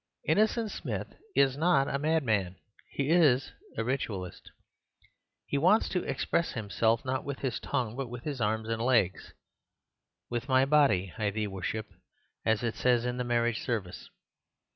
Innocent Smith is not a madman—he is a ritualist. He wants to express himself, not with his tongue, but with his arms and legs— with my body I thee worship, as it says in the marriage service.